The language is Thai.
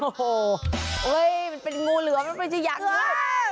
โอ้โหมันเป็นงูเหลือมันไม่ใช่หยัด